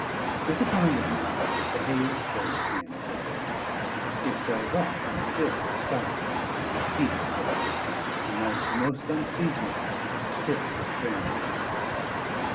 With the coming of night, the haze closed in overhead; it fell dark and still and starless, and exceeding cold: a night the most unseasonable, fit for strange events.